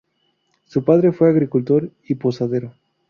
Su padre fue agricultor y posadero.